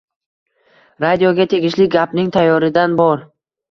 Radioga tegishli gapning tayyoridan bor!